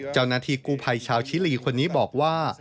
เจ้าหน้าที่กู้ภัยชาวชิลีคนนี้บอกว่า